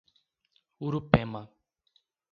Urupema